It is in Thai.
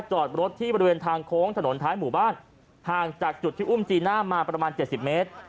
จอดรถที่บริเวณทางโค้งถนนท้ายหมู่บ้านห่างจากจุดที่อุ้มจีน่ามาประมาณ๗๐เมตร